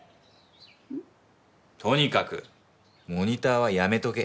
とにかくモニターはやめとけ。